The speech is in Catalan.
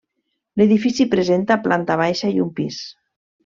L'edifici presenta planta baixa i un pis.